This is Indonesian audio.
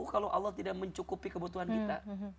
kalau allah tidak mencukupi kebutuhan kita